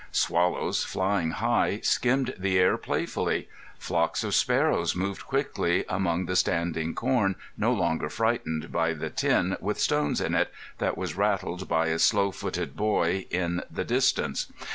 Swallows, flying high, skimmed the air playfully. Flocks of sparrows moved quickly among the standing corn, no longer frightened by the tin with stones in it, that was rattled by a slow footed boy in the distance.